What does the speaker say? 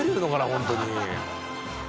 ホントに。